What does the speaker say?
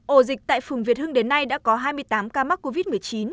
ổ dịch tại phùng việt hưng đến nay đã có hai mươi tám ca mắc covid một mươi chín